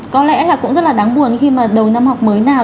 có lẽ là cũng rất là đáng buồn khi mà đầu năm học mới nào